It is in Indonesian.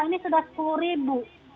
ini sudah sepuluh ribu